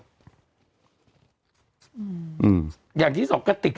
แต่หนูจะเอากับน้องเขามาแต่ว่า